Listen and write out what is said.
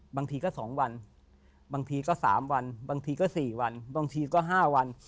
บางทีก็สองวันบางทีก็สามวันบางทีก็สี่วันบางทีก็ห้าวัน